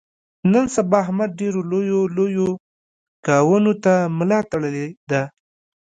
نن سبا احمد ډېرو لویو لویو کاونو ته ملا تړلې ده.